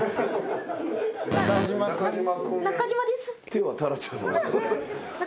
手はタラちゃん。